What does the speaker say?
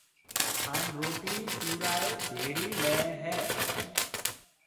ھان روٽِي چورائيَ ڀيڙي ليَ ھيََََ